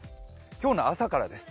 今日の朝からです。